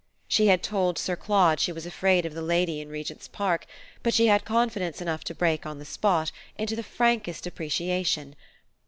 She had told Sir Claude she was afraid of the lady in the Regent's Park; but she had confidence enough to break on the spot, into the frankest appreciation.